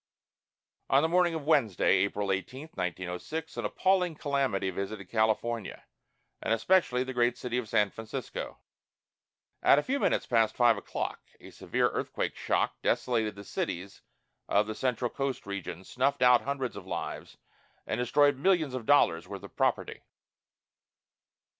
On the morning of Wednesday, April 18, 1906, an appalling calamity visited California, and especially the great city of San Francisco. At a few minutes past five o'clock a severe earthquake shock desolated the cities of the central coast region, snuffed out hundreds of lives, and destroyed millions of dollars' worth of property.